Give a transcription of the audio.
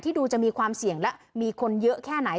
ดูจะมีความเสี่ยงและมีคนเยอะแค่ไหน